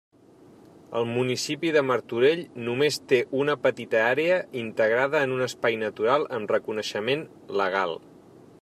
El municipi de Martorell només té una petita àrea integrada en un espai natural amb reconeixement legal.